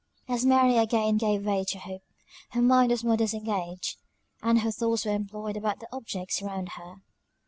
As Mary again gave way to hope, her mind was more disengaged; and her thoughts were employed about the objects around her.